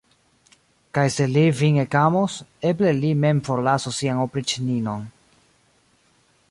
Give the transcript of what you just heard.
Kaj se li vin ekamos, eble li mem forlasos sian opriĉninon.